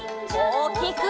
おおきく！